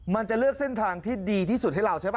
มันจะเลือกเส้นทางที่ดีที่สุดให้เราใช่ป่